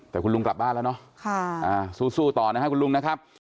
แต่คุณลุงกลับบ้านแล้วเนาะสู้ต่อนะครับคุณลุงนะครับ